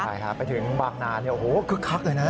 ใช่ครับไปถึงบางนาโอ้โหคึกคักเลยนะ